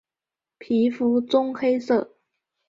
皮肤棕黑色。